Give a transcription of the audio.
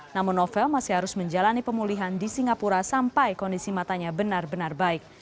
namun novel masih harus menjalani pemulihan di singapura sampai kondisi matanya benar benar baik